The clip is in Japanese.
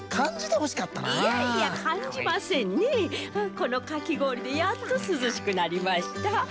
このかきごおりでやっとすずしくなりました。